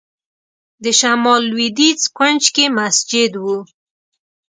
د شمال لوېدیځ کونج کې مسجد و.